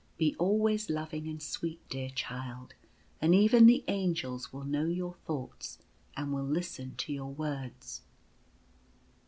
Be always loving and sweet, dear child, and even the Angels will know your thoughts and will listen to your words."